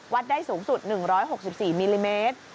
ได้สูงสุด๑๖๔มิลลิเมตร